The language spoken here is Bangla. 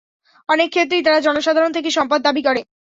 অনেক ক্ষেত্রেই তারা জনসাধারণ থেকে সম্পদ দাবি করে।